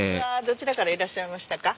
どちらからいらっしゃいましたか？